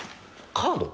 カード？